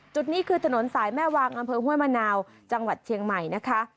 จุดนี้คือถนนสายแม่วางอำเภอห้วยมะนาวจังหวัดเชียงใหม่นะคะ